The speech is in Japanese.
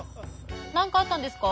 何かあったんですか？